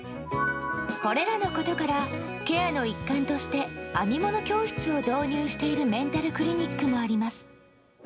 これらのことからケアの一環として編み物教室を導入しているメンタルクリニックもあります。